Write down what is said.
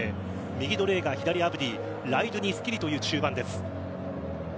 右、ドレーガー左、アブディライドゥニスキリという中盤です。